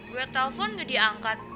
gue telpon udah diangkat